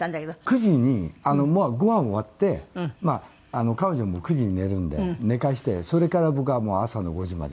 「９時にごはん終わって彼女もう９時に寝るんで寝かしてそれから僕は朝の５時までは」